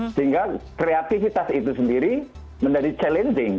sehingga kreativitas itu sendiri menjadi challenging